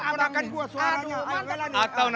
melani asma ini